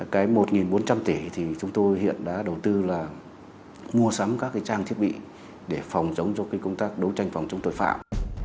cái một bốn trăm linh tỷ thì chúng tôi hiện đã đầu tư là mua sắm các trang thiết bị để phòng chống cho công tác đấu tranh phòng chống tội phạm